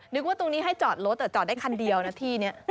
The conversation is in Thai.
นึกว่าตรงนี้ให้จอดรถจอดได้คันเดียวนะที่นี้